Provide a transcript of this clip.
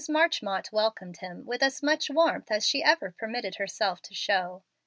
Marchmont welcomed him with as much warmth as she ever permitted herself to show.